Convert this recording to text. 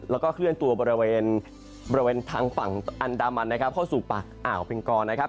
แล้วก็เคลื่อนตัวบริเวณบริเวณทางฝั่งอันดามันนะครับเข้าสู่ปากอ่าวเพ็งกอนะครับ